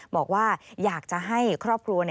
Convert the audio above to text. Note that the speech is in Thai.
บอกว่าอยากจะให้ครอบครัว